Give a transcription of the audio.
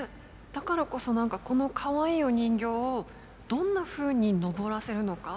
だからこそ何かこのかわいいお人形をどんなふうに登らせるのか。